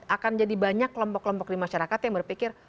akan jadi banyak kelompok kelompok di masyarakat yang berpikir